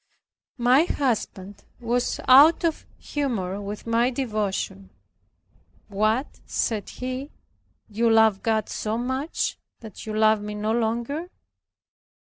My husband was out of humor with my devotion. "What," said he, "you love God so much, that you love me no longer."